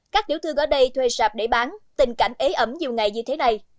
các tiểu thương ở đây thuê sạp để bán tình cảnh ế ẩm nhiều ngày như thế này